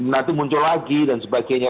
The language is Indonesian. nanti muncul lagi dan sebagainya